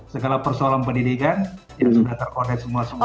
segala persoalan pendidikan yang sudah terkoneksi semua semua